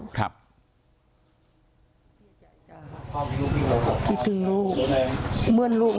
ตอนแรกแม่ก็เสียใจเหมือนกันนะแต่พอฟังคำชี้แจงแล้วแม่ก็คืออยากเอาศพของลูกชายกลับมาบำเพ็ญกุศลที่บ้าน